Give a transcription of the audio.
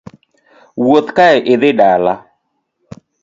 Wuoth kae idhi dala.